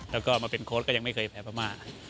แล้วก็มาเป็นโค้ดก็ยังไม่เคยแพ้พม่า